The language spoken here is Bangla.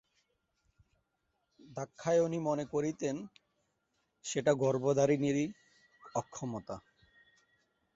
দাক্ষায়ণী মনে করিতেন সেটা গর্ভধারিণীরই অক্ষমতা।